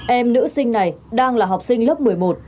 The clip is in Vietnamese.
em nữ sinh này đang là học sinh lớp một mươi một